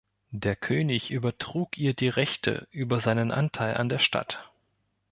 Der König übertrug ihr die Rechte über seinen Anteil an der Stadt.